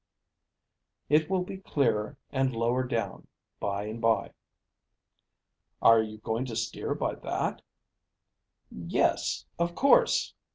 It will be clearer, and lower down by and by." "Are you going to steer by that?" "Yes, of course.